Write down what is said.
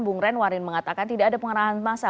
bung renwarin mengatakan tidak ada pengerahan masa